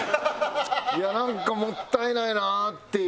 いやなんかもったいないなっていう。